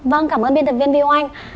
vâng cảm ơn biên tập viên viu anh